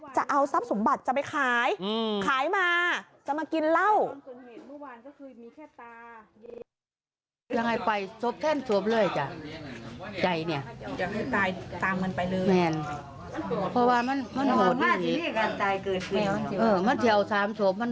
จะเอาทรัพย์สมบัติจะไปขายขายมาจะมากินเหล้า